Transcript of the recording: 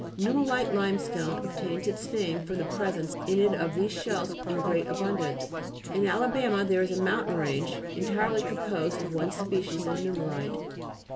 Nummulite limestone obtains its name from the presence in it of these shells in great abund ance. In Alabama there is a moun tain range entirely composed of one species of nummulite.